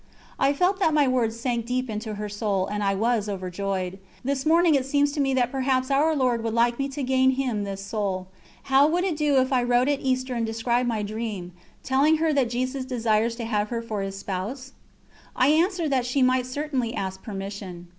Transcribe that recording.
I felt that my words sank deep into her soul, and I was overjoyed. This morning it seems to me that perhaps Our Lord would like me to gain Him this soul. How would it do if I wrote at Easter and described my dream, telling her that Jesus desires to have her for His Spouse?" I answered that she might certainly ask permission.